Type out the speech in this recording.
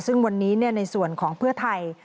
ซึ่งวันนี้ในส่วนของเพื่อไทย